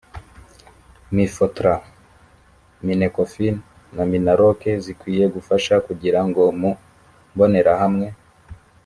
mifotra minecofin na minaloc zikwiye gufasha kugira ngo mu mbonerahamwe